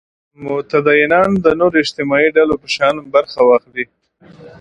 متدینان د نورو اجتماعي ډلو په شان برخه واخلي.